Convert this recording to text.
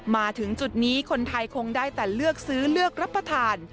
มาถึงจุดนี้คนไทยคงได้แต่เลือกซื้อเลือกรับประทาน